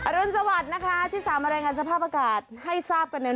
อรุณสวัสดิ์นะคะที่สามอะไรกันสภาพอากาศให้ทราบกันนั้น